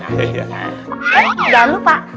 eh jangan lupa pak